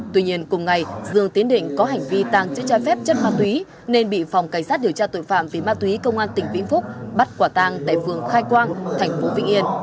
tuy nhiên cùng ngày dương tiên đích có hành vi tăng chứa trai phép chất ma túy nên bị phòng cảnh sát điều tra tội phạm vì ma túy công an tỉnh vĩnh phúc bắt quả tăng tại phường khai quang thành phố vĩnh yên